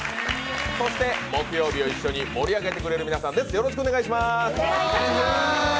そして木曜日を一緒に盛り上げてくれる皆さんです。